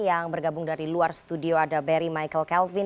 yang bergabung dari luar studio ada barry michael calvin